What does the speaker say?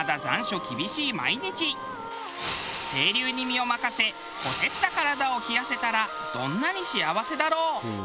清流に身を任せ火照った体を冷やせたらどんなに幸せだろう。